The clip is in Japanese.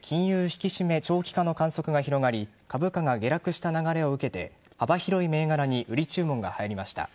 引き締め長期化の観測が広がり株価が下落した流れを受けて幅広い銘柄に売り注文が入りました。